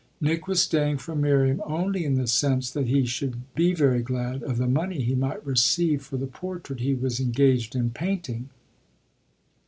Nick was staying for Miriam only in the sense that he should very glad of the money he might receive for the portrait he was engaged in painting.